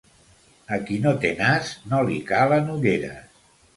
Al qui no té nas, no li calen ulleres.